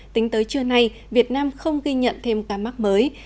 tính tới trưa nay việt nam không ghi nhận thêm ca mắc mới